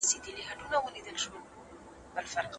انسان باید د بل انسان په درد پوه شي.